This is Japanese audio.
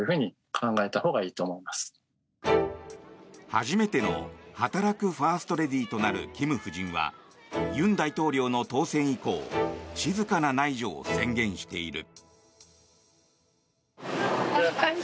初めての働くファーストレディーとなるキム夫人は尹大統領の当選以降静かな内助を宣言している。